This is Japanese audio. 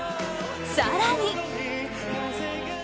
更に。